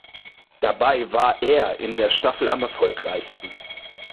Dabei war er in der Staffel am erfolgreichsten.